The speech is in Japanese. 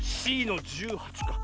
Ｃの１８か。